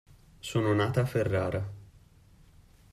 Sono nata a Ferrara.